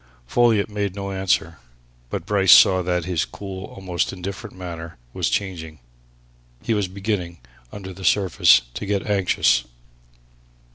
Folliot made no answer. But Bryce saw that his cool, almost indifferent manner was changing he was beginning, under the surface, to get anxious.